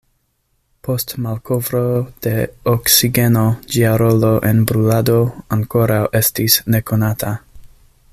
Post malkovro de oksigeno ĝia rolo en brulado ankoraŭ estis nekonata.